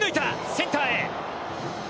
センターへ！